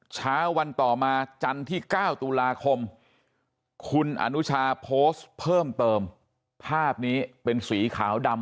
เช้าวันต่อมาจันทร์ที่๙ตุลาคมคุณอนุชาโพสต์เพิ่มเติมภาพนี้เป็นสีขาวดำ